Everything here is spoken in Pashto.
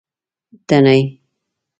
تڼۍ